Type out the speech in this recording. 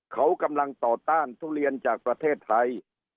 เขากำลังต่อต้านทุเรียนจากประเทศไทย